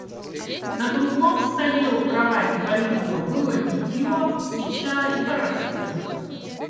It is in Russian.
На другом столе у кровати больного было питье, свеча и порошки.